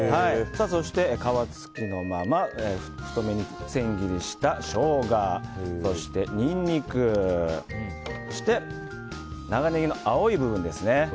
そして皮付きのまま太めに千切りしたショウガそしてニンニクそして長ネギの青い部分ですね。